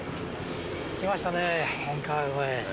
来ましたね本川越。